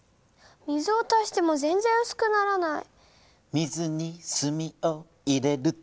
水を足しても全然薄くならない。